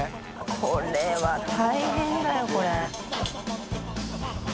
これは大変だよこれ。